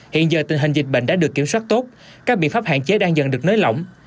hiện giờ tình hình dịch bệnh đã được kiểm soát tốt các biện pháp hạn chế đang dần được nới lỏng